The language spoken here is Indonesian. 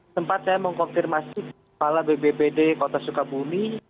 sempat saya mengkonfirmasi kepala bbbd kota sukabumi